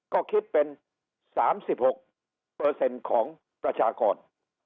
ก็คิดเป็น๓๖ของประชากร